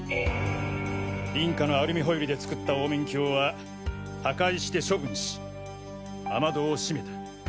隣家のアルミホイルで作った凹面鏡は破壊して処分し雨戸を閉めた。